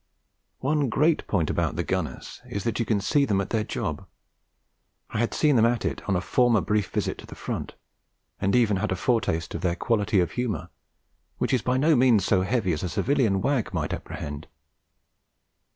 One great point about the Gunners is that you can see them at their job. I had seen them at it on a former brief visit to the front, and even had a foretaste of their quality of humour, which is by no means so heavy as a civilian wag might apprehend.